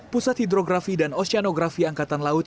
pusat hidrografi dan oceanografi angkatan laut